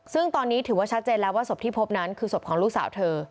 ซึ่งตอนนี้ถือว่าชัดเจนแล้วว่าศพที่พบนั้นคือศพของลูกสาวเธอ